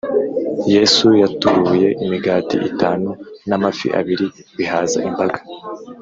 yesu yatubuye imigati itanu na amafi abiri bihaza imbaga